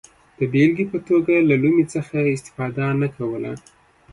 د بېلګې په توګه له لومې څخه استفاده نه کوله.